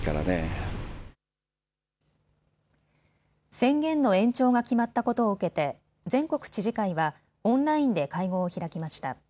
宣言の延長が決まったことを受けて全国知事会はオンラインで会合を開きました。